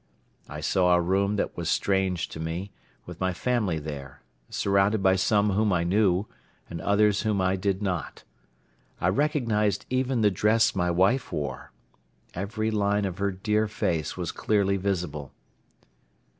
I saw a room that was strange to me with my family there, surrounded by some whom I knew and others whom I did not. I recognized even the dress my wife wore. Every line of her dear face was clearly visible.